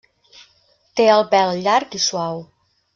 Té el pèl llarg i suau.